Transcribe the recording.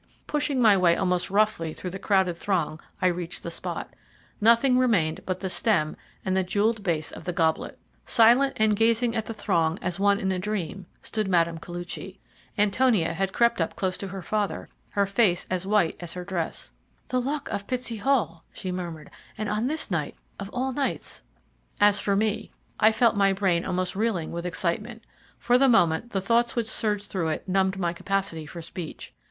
Pushing my way almost roughly through the crowded throng I reached the spot. Nothing remained but the stem and jewelled base of the goblet. The footmen looked struck. "The two footmen ... looked as if they had been struck byan unseen hand." Silent and gazing at the throng as one in a dream stood Mme. Koluchy. Antonia had crept up close to her father; her face was as white as her dress. "The Luck of Pitsey Hall," she murmured, "and on this night of all nights!" As for me, I felt my brain almost reeling with excitement. For the moment the thoughts which surged through it numbed my capacity for speech.